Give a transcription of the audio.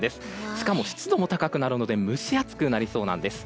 しかも湿度も高くなるので蒸し暑くなりそうなんです。